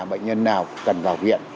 bệnh nhân nào cần vào viện